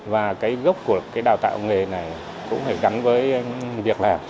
và gốc của đào tạo nghề này cũng phải gắn với việc làm